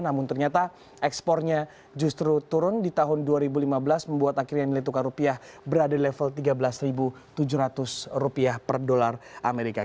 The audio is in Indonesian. namun ternyata ekspornya justru turun di tahun dua ribu lima belas membuat akhirnya nilai tukar rupiah berada di level tiga belas tujuh ratus rupiah per dolar amerika